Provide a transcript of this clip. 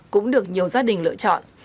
cũng được nhiều gia đình lựa chọn